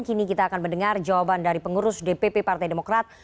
kini kita akan mendengar jawaban dari pengurus dpp partai demokrat